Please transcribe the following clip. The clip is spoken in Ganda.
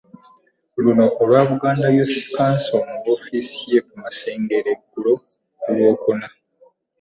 Luno olwa Buganda Youth Council mu woofiisi ye ku Masengere eggulo ku Lwokuna